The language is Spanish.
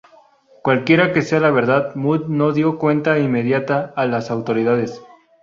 Cualquiera que sea la verdad, Mudd no dio cuenta inmediata a las autoridades.